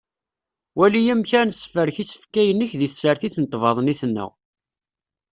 Wali amek ad nessefrek isefka yinek di tsertit n tbaḍnit-nneɣ.